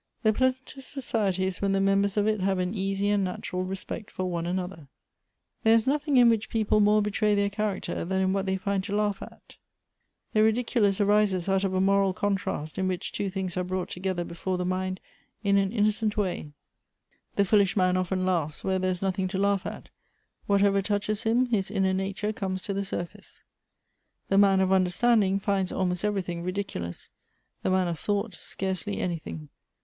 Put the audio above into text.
" The pleasantest society is when the members of it have an easy and natural respect for one another." " There is nothing in which people more betray their character than in what they find to laugh at." " The ridiculous arises out of a moral contrast, in which two things are brought together before ' the mind in an innocent way." Electivb Affinities. 185 " The foolish man often laus^hs where there is nothinsr to laugh at. Whatever touches him, his inner nature comes to the surface." " The man of understanding finds almost everything ridiculous ; the man of thought scarcely anything."